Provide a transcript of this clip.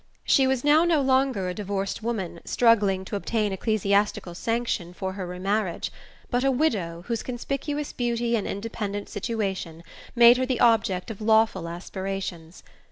She was now no longer a divorced woman struggling to obtain ecclesiastical sanction for her remarriage, but a widow whose conspicuous beauty and independent situation made her the object of lawful aspirations.